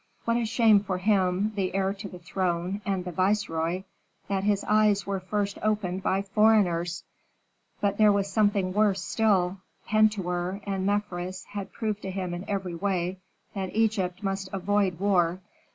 What a shame for him, the heir to the throne, and the viceroy, that his eyes were first opened by foreigners! But there was something worse still: Pentuer and Mefres had proved to him in every way that Egypt must avoid war.